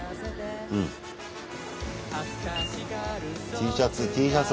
ＴシャツＴシャツ